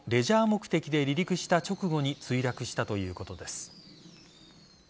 目的で離陸した直後に墜落したということです。